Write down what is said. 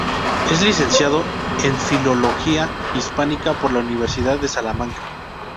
Es licenciado en Filología Hispánica por la Universidad de Salamanca.